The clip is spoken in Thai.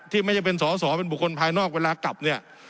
ไม่ใช่เป็นสอสอเป็นบุคคลภายนอกเวลากลับเนี่ย